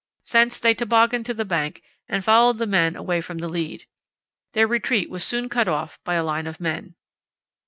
Thence they tobogganed to the bank and followed the men away from the lead. Their retreat was soon cut off by a line of men.